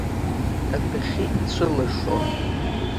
Адәахьы ицәылашон.